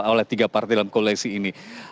oleh tiga partai dalam koalisi ini